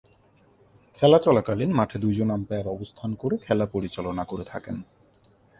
খেলা চলাকালীন মাঠে দুইজন আম্পায়ার অবস্থান করে খেলা পরিচালনা করে থাকেন।